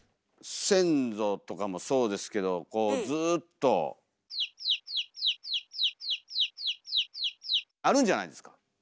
先祖とかもそうですけどこうずっとあるんじゃないですか。